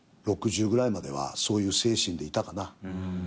６０ぐらいまではそういう精神でいたかな。